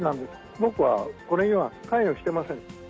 僕はこれには関与していません。